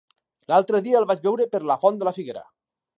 L'altre dia el vaig veure per la Font de la Figuera.